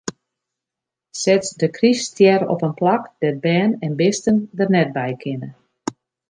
Set de kryststjer op in plak dêr't bern en bisten der net by kinne.